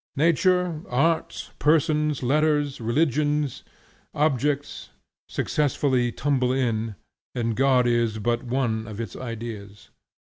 Nature, art, persons, letters, religions, objects, successively tumble in, and God is but one of its ideas.